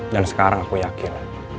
dan sekarang aku yakin